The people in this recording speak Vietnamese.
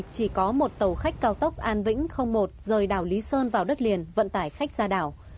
chỉ có một tàu khách cao tốc an vĩnh một rời đảo lý sơn vào đất liền vận tải khách ra đảo